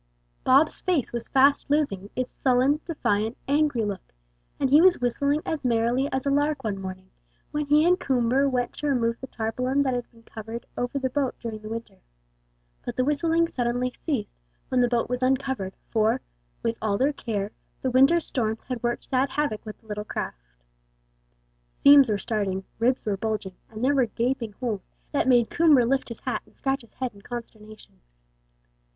Bob's face was fast losing its sullen, defiant, angry look, and he was whistling as merrily as a lark one morning, when he and Coomber went to remove the tarpaulin that had been covered over the boat during the winter; but the whistling suddenly ceased when the boat was uncovered, for, with all their care, the winter's storms had worked sad havoc with the little craft. Seams were starting, ribs were bulging, and there were gaping holes, that made Coomber lift his hat and scratch his head in consternation.